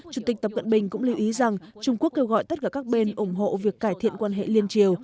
chủ tịch tập cận bình cũng lưu ý rằng trung quốc kêu gọi tất cả các bên ủng hộ việc cải thiện quan hệ liên triều